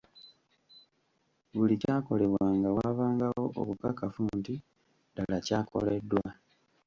Buli kyakolebwanga waabangawo obukakafu nti ddala kyakoleddwa.